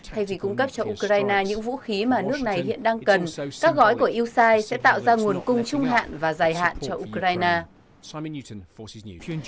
thay vì cung cấp cho ukraine những vũ khí mà nước này hiện đang cần các gói của yosai sẽ tạo ra nguồn cung trung hạn và dài hạn cho ukraine